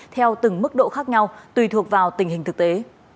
theo từng mức độ khác nhau tùy thuộc vào tình hình thực tế